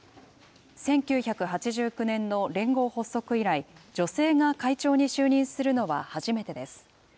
１９８９年の連合発足以来、女性が会長に就任するのは初めてです。